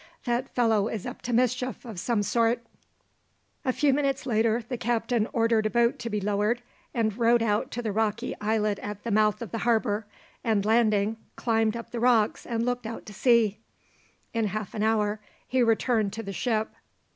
That fellow is up to mischief of some sort." A few minutes later the captain ordered a boat to be lowered, and rowed out to the rocky islet at the mouth of the harbour, and landing, climbed up the rocks and looked out to sea. In half an hour he returned to the ship.